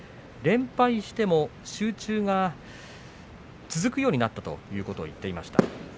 連敗しても集中が続くようになったということを言っていました。